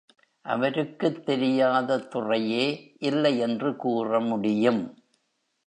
அவருக்குத் தெரியாத துறையே இல்லை என்று கூற முடியும்.